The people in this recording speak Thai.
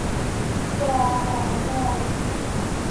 วอ หอ ฮอ